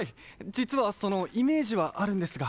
じつはそのイメージはあるんですが。